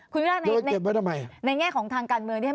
คุณครับในแง่ของทางการเมืองเนี่ย